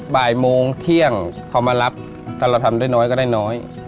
บ่ายโมงเที่ยงเขามารับถ้าเราทำได้น้อยก็ได้น้อย